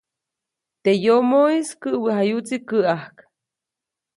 Teʼ yomoʼis käʼwejayuʼtsi käʼäjk.